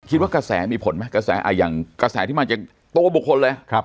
คิดว่ากระแสมีผลไหมอย่างกระแสที่มาจากโตบุคคลเลย